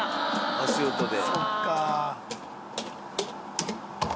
足音で。